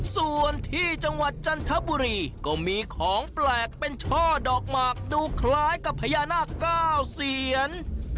ส่วนที่จังหวัดจันทบุรีก็มีของแปลกเป็นช่อดอกหมากดูคล้ายกับพญานาคเก้าเซียน